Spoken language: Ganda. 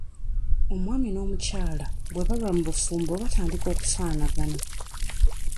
Omwami n'omukyala bwe balwa mu bufumbo batandika okufaanagana.